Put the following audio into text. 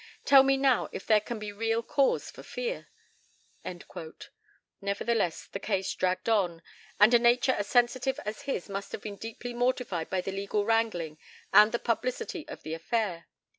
Tell me now if there can be real cause for fear." Nevertheless the case dragged on, and a nature as sensitive as his must have been deeply mortified by the legal wrangling and the publicity of the affair.